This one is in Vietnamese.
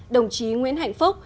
đồng chí nguyễn hạnh phúc